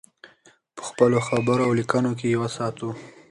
په خپلو خبرو او لیکنو کې یې وساتو.